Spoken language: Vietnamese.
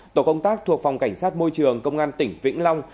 tổ công tác thuộc phòng cảnh sát môi trường công an tỉnh vĩnh long